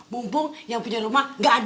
mumpung yang punya rumah gak ada